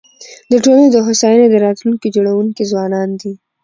د ټولني د هوساینې د راتلونکي جوړونکي ځوانان دي.